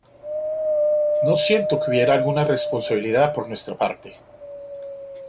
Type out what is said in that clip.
No siento que hubiera alguna responsabilidad por nuestra parte".